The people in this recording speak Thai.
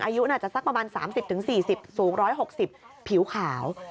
อายุน่าจะสักประมาณ๓๐๔๐สูง๑๖๐ผิวขาว